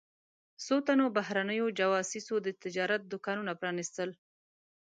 څو تنو بهرنیو جواسیسو د تجارت دوکانونه پرانیستل.